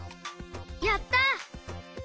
やった！